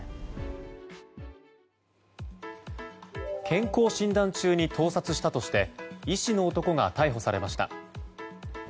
健康診断中に盗撮したとして医師の男が逮捕されました。